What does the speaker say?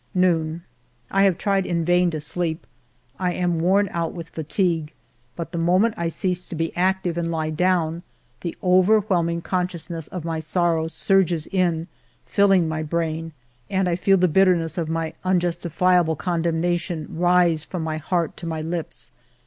Noon. I have tried in vain to sleep. I am worn out with fatigue ; but the moment I cease to be active and lie down, the overwhelming consciousness of mxy sorrows surges in, filling my brain, and I feel the bitterness of my unjustifiable condemnation 128 FIVE YEARS OF MY LIFE rise from my heart to my lips.